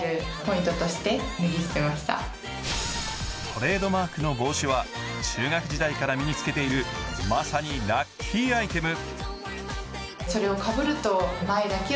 トレードマークの帽子は中学時代から身に付けているまさにラッキーアイテム。